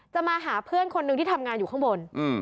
มาหาเพื่อนคนหนึ่งที่ทำงานอยู่ข้างบน